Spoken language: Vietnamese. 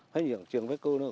hết những trường vết cưu nữa